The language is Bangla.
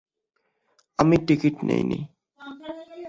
আমি টিকিট নেইনি।